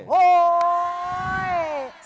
โอ้โห้ย